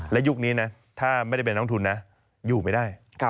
และยุคนี้นะถ้าไม่ได้เป็นนักทุนนะอยู่ไม่ได้